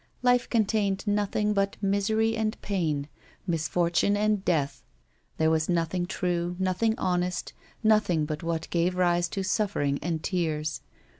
Life contained nothing but misery and pain, misfortune and death ; there was nothing true, nothing honest, nothing but what gave rise to suffering and tears.